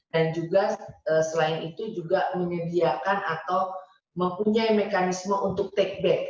dan juga selain itu juga menyediakan atau mempunyai mekanisme untuk take back